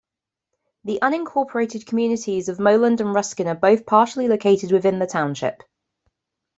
The unincorporated communities of Moland and Ruskin are both partially located within the township.